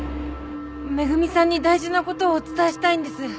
恵さんに大事な事をお伝えしたいんです。